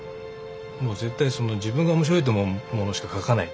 もう絶対自分が面白いと思うものしか描かない。